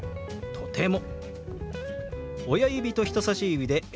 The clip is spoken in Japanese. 「とても」。